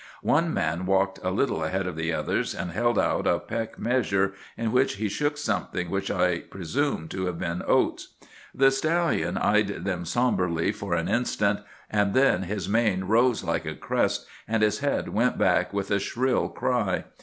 One man walked a little ahead of the others, and held out a peck measure, in which he shook something which I presume to have been oats. "The stallion eyed them sombrely for an instant; and then his mane rose like a crest, and his head went back with a shrill cry.